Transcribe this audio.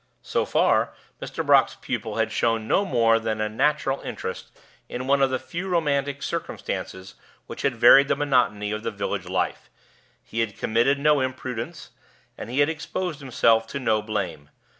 So far Mr. Brock's pupil had shown no more than a natural interest in one of the few romantic circumstances which had varied the monotony of the village life: he had committed no imprudence, and he had exposed himself to no blame.